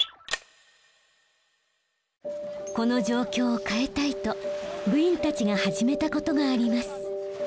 この状況を変えたいと部員たちが始めたことがあります。